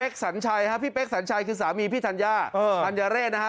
พี่เป๊กสัญชัยคือสามีพี่ธัญญาธัญญาเรชนะฮะ